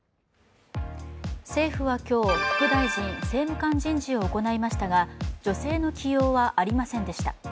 政府は今日、副大臣、政務官人事を行いましたが、女性の起用はありませんでした。